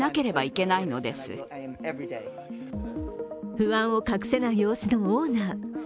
不安を隠せない様子のオーナー。